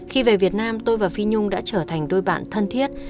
khi về việt nam tôi và phi nhung đã trở thành đôi bạn thân thiết